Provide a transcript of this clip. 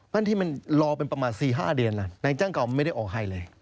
นั่นที่มันรอเป็นประมาณ๔๕เดือนล่ะนายจ้างเก่าไม่ได้ออกให้เลย